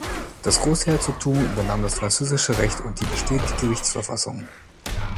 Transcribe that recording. Das Großherzogtum übernahm das französische Recht und die bestehende Gerichtsverfassung.